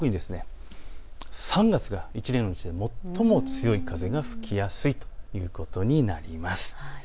特に３月が１年のうちで最も強い風が吹きやすいということになります。